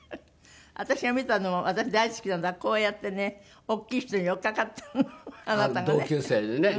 私が見たのは私大好きなのがこうやってね大きい人に寄っかかってるのあなたがね。